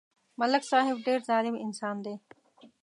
ملک صاحب ډېر ظالم انسان دی